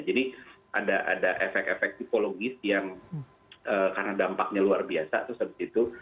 jadi ada efek efek tipologis yang karena dampaknya luar biasa terus habis itu